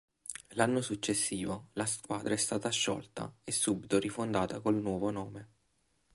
L'anno successivo la squadra è stata sciolta e subito rifondata col nuovo nome.